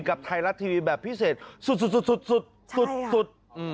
กับไทยรัฐทีวีแบบพิเศษสุด